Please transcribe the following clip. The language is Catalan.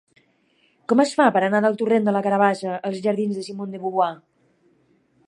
Com es fa per anar del torrent de la Carabassa als jardins de Simone de Beauvoir?